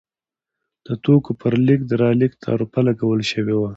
د توکو پر لېږد رالېږد تعرفه لګول شوې وه.